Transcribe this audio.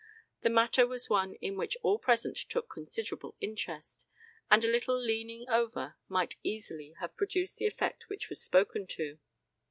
The matter was one in which all present took considerable interest, and a little leaning over might easily have produced the effect which was spoken to.